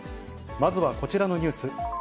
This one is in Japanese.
まずはこちらのニュース。